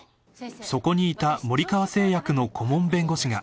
［そこにいた森川製薬の顧問弁護士が］